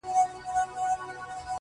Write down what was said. یوه ورځ قسمت راویښ بخت د عطار کړ.!